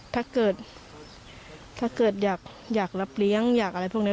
ถ้าเกิดอยากรับเลี้ยงอยากอะไรพวกนี้